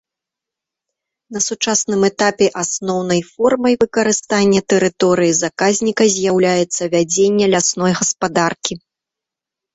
На сучасным этапе асноўнай формай выкарыстання тэрыторыі заказніка з'яўляецца вядзенне лясной гаспадаркі.